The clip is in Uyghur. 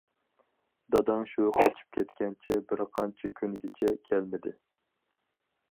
داداڭ شۇ چىقىپ كەتكەنچە بىر قانچە كۈنگىچە كەلمىدى.